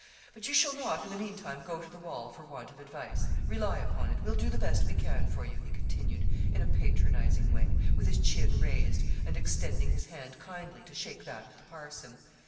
But you shall not, in the meantime, go to the wall for want of advice. Rely upon it, we'll do the best we can for you,' he continued, in a patronising way, with his chin raised, and extending his hand kindly to shake that of the parson.